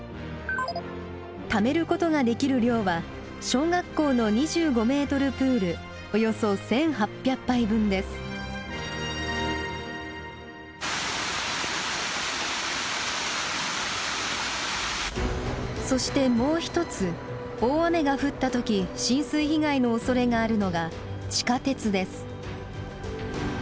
ためることができる量は小学校のそしてもう一つ大雨が降った時浸水被害のおそれがあるのが地下鉄です。